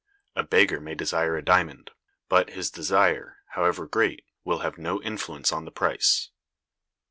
A beggar may desire a diamond; but his desire, however great, will have no influence on the price.